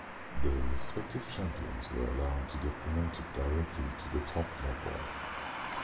The respective champions were allowed to get promoted directly to the top level.